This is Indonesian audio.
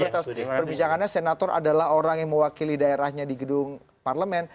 pertama sekali perbicaraannya senator adalah orang yang mewakili daerahnya di gedung parlemen